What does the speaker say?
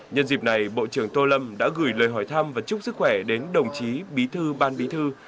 nhân dịp này bộ trưởng tô lâm đã gửi lời hỏi thăm và chúc sức khỏe đến đồng chí bí thư ban bí thư